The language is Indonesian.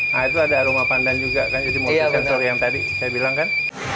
nah itu ada aroma pandan juga kan jadi multi sensor yang tadi saya bilang kan